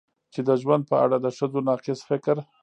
چې د ژوند په اړه د ښځو ناقص فکر